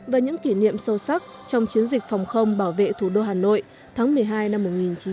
và những kỷ niệm sâu sắc trong chiến dịch phòng không bảo vệ thủ đô hà nội tháng một mươi hai năm một nghìn chín trăm bảy mươi năm